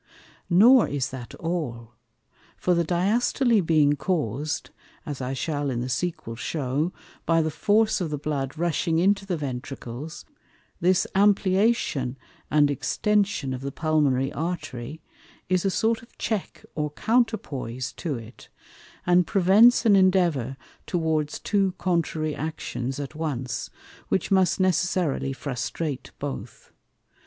Nor is that all. For the Diastole being caus'd (as I shall in the Sequel shew) by the force of the Blood rushing into the Ventricles, this Ampliation and Extension of the Pulmonary Artery is a sort of Check or Counterpoise to it, and prevents an endeavour towards two contrary Actions at once, which must necessarily frustrate both.